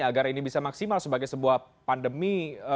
agar ini bisa maksimal sebagai sebuah pandemi